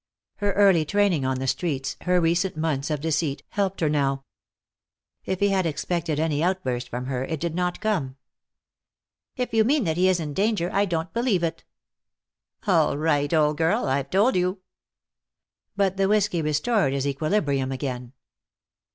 Her early training on the streets, her recent months of deceit, helped her now. If he had expected any outburst from her it did not come. "If you mean that he is in danger, I don't believe it." "All right, old girl. I've told you." But the whiskey restored his equilibrium again.